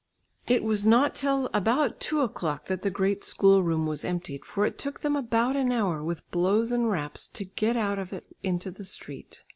It was not till about two o'clock that the great school room was emptied, for it took them about an hour with blows and raps to get out of it into the street.